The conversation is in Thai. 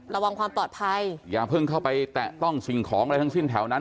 ระวังความปลอดภัยอย่าเพิ่งเข้าไปแตะต้องสิ่งของอะไรทั้งสิ้นแถวนั้น